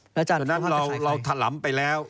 แล้วอาจารย์สุภาพจะขายใครฉะนั้นเราถลำไปแล้ว